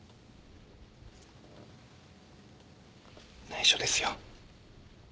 内緒ですよ。